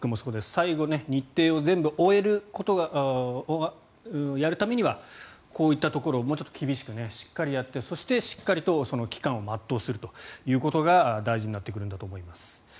最後、日程を全部終えるためにはこういったところをもうちょっと厳しくしっかりやってそして、しっかりと期間を全うするということが大事になってくるんだと思います。